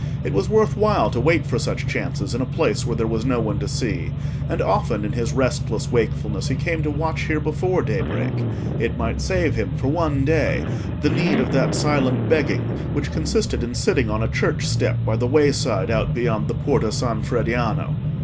It was worth while to wait for such chances in a place where there was no one to see, and often in his restless wakefulness he came to watch here before daybreak; it might save him for one day the need of that silent begging which consisted in sitting on a church step by the wayside out beyond the Porta San Frediano.